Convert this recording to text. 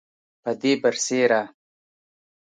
پدې برسیره